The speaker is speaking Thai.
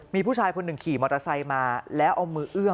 มีผู้ชายคนหนึ่งขี่มอเตอร์ไซค์มาแล้วเอามือเอื้อม